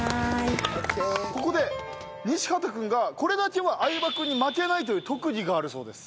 ここで西畑君がこれだけは相葉君に負けないという特技があるそうです。